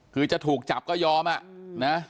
คือจะถูกจับก็ยอมอ่ะนะ